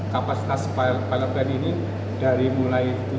kapasitas pilot plant ini dari mulai tujuh puluh lima liter